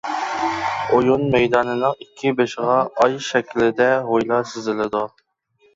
ئويۇن مەيدانىنىڭ ئىككى بېشىغا ئاي شەكلىدە «ھويلا» سىزىلىدۇ.